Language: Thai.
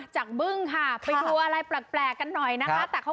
จากเบค่ะไปดูอะไรแปลกหน่อยนะคะ